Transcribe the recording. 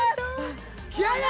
気合いだ！